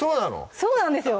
そうなんですよ